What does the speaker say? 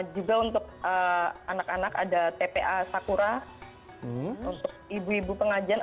juga untuk anak anak ada tpa sakura untuk ibu ibu pengajian